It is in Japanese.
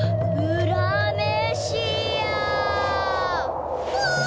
うわ！